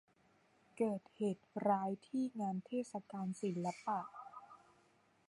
เกิดเหตุร้ายที่งานเทศกาลศิลปะ